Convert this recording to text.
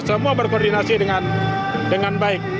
semua berkoordinasi dengan baik